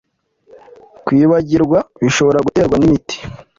Kwibagirwa bishobora guterwa n’imiti